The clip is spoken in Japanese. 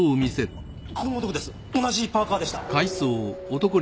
同じパーカーでした。